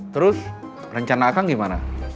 terus rencana kang gimana